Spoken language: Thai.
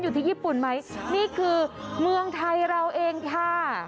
อยู่ที่ญี่ปุ่นไหมนี่คือเมืองไทยเราเองค่ะ